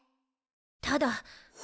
ただ。